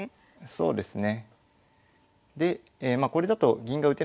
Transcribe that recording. そうですね。